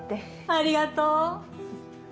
ありがとう！